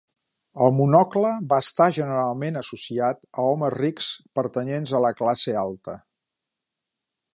El monocle va estar generalment associat a homes rics pertanyents a la classe alta.